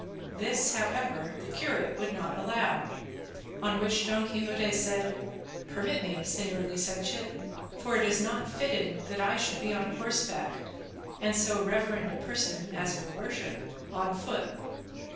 This, however, the curate would not allow, on which Don Quixote said, "Permit me, señor licentiate, for it is not fitting that I should be on horseback and so reverend a person as your worship on foot."